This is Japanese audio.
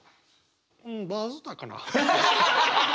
うんバズったかな。